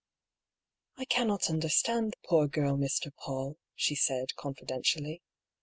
" I cannot understand the poor girl, Mr. PauU," she said, confidentially.